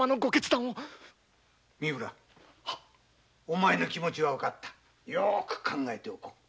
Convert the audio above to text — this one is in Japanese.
お前の気持は分かったようく考えておこう。